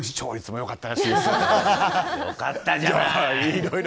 良かったじゃない！